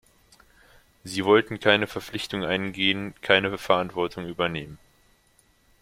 Sie wollten keine Verpflichtung eingehen, keine Verantwortung übernehmen.